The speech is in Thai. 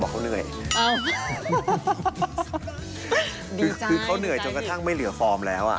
คือเขาเหนื่อยจนกระทั่งไม่เหลือฟอร์มแล้วอ่ะ